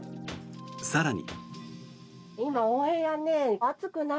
更に。